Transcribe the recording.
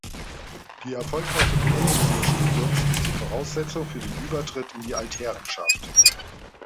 Die erfolgreiche Beendigung des Studiums ist die Voraussetzung für den Übertritt in die „Altherrenschaft“.